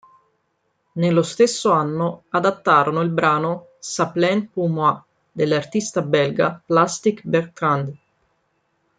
Nello stesso anno adattarono il brano "Ca plane pour moi" dell'artista belga Plastic Bertrand.